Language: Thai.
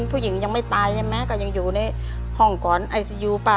ผู้หญิงยังไม่ตายแม่ก็ยังอยู่ในห้องกรรมไอซียู